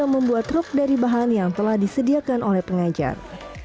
membuat truk dari bahan yang telah disediakan oleh pengajar